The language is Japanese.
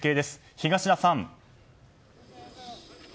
東田さん。